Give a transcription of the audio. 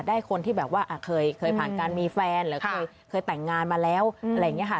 คนที่แบบว่าเคยผ่านการมีแฟนหรือเคยแต่งงานมาแล้วอะไรอย่างนี้ค่ะ